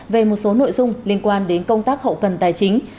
về một số nội dung liên quan đến công tác hậu cần tài chính